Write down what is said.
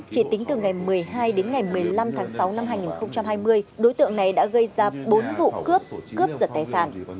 chỉ tính từ ngày một mươi hai đến ngày một mươi năm tháng sáu năm hai nghìn hai mươi đối tượng này đã gây ra bốn vụ cướp cướp giật tài sản